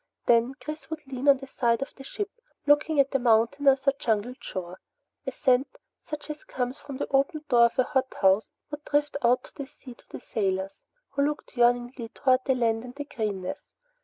Then Chris would lean on the side of the ship looking at the mountainous or jungled shore. A scent such as comes from the opened door of a hothouse would drift out to sea to the sailors, who looked yearningly toward the land and the greenness.